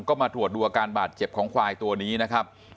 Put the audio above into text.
ก็มาตรวจดูอาการบาดเจ็บของควายตัวนี้นะครับ